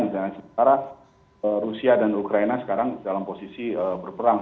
dan sementara rusia dan ukraina sekarang dalam posisi berperang